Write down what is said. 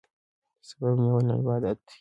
سبب نیول عبادت دی.